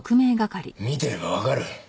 見てればわかる。